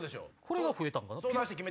これが増えたんかな？